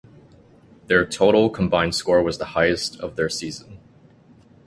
Their total combined score was the highest of their season.